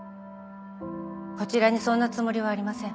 こちらにそんなつもりはありません。